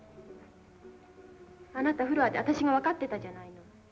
あなたフロアで私が分かってたじゃないの。